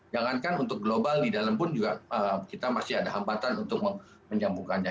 jangankan untuk global di dalam pun juga kita masih ada hambatan untuk menyambungkannya